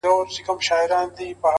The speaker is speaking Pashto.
له بدانو سره ښه په دې معنا ده-